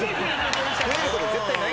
増えること絶対ない。